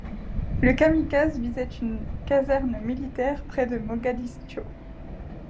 Le kamikaze visait une caserne militaire près de Mogadiscio.